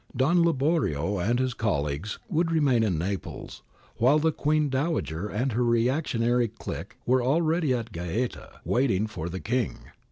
Don Liborio and his colleagues would remain in Naples, while the Queen Dowager and her reactionary clique were already at Gaeta waiting for the King.